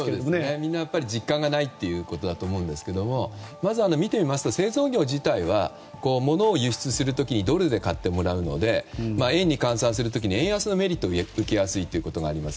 みんな実感がないということだと思いますがまずは見てみますと製造業自体は物を輸出する時にドルで買ってもらうので円に換算する時に円安のメリットを受けやすいことがあります。